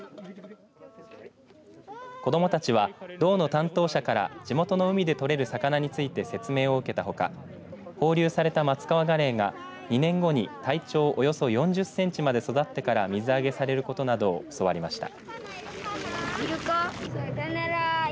子どもたちは道の担当者から地元の海で取れる魚について説明を受けたほか放流されたマツカワガレイが２年後に体長およそ４０センチまで育ってから水揚げされることなどを教わりました。